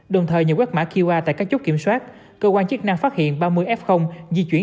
đồng thời nhờ quét mã qr tại các chốt kiểm soát cơ quan chức năng phát hiện ba mươi f di chuyển